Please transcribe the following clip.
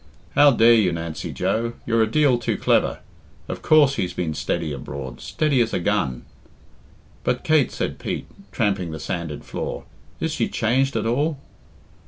How dare you, Nancy Joe? You're a deal too clever. Of course he's been steady abroad steady as a gun." "But Kate," said Pete, tramping the sanded floor, "is she changed at all?"